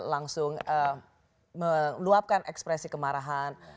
langsung meluapkan ekspresi kemarahan